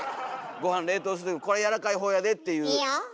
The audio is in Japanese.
ごはん冷凍するとき「これやわらかいほうやで」っていう。